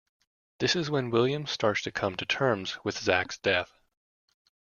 This is when William starts to come to terms with Zach's death.